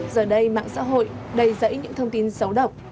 giờ đây mạng xã hội đầy rẫy những thông tin xấu độc